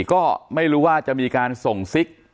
ก็ไม่รู้ว่าจะมีการส่งซิก